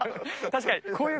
確かに。